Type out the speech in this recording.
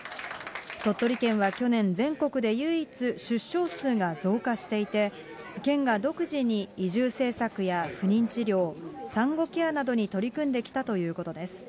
鳥取県は去年、全国で唯一、出生数が増加していて、県が独自に移住政策や不妊治療、産後ケアなどに取り組んできたということです。